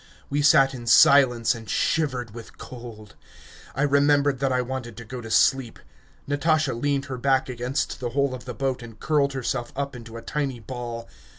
We sat in silence and shivered with cold. I remembered that I wanted to go to sleep. Natasha leaned her back against the hull of the boat and curled herself up into a tiny ball.